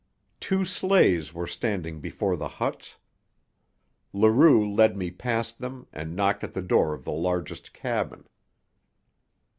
Two sleighs were standing before the huts. Leroux led me past them and knocked at the door of the largest cabin.